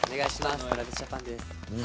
ＴｒａｖｉｓＪａｐａｎです。